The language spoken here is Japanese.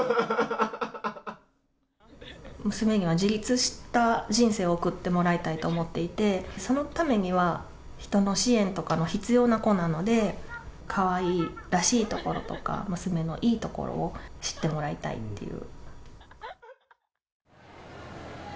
娘には自立した人生を送ってもらいたいと思っていて、そのためには、人の支援とかの必要な子なので、かわいらしいところとか、娘のいいところを知ってもらいたいっていう。